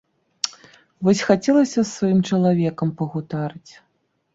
Вось хацелася з сваім чала векам пагутарыць.